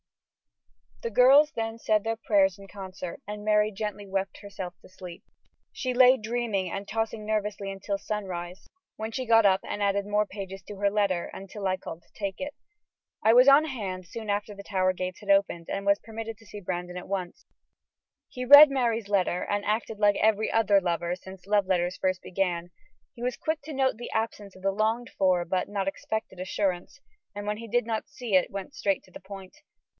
The girls then said their prayers in concert and Mary gently wept herself to sleep. She lay dreaming and tossing nervously until sunrise, when she got up and added more pages to her letter, until I called to take it. I was on hand soon after the Tower gates had opened and was permitted to see Brandon at once. He read Mary's letter and acted like every other lover, since love letters first began. He was quick to note the absence of the longed for, but not expected assurance, and when he did not see it went straight to the point.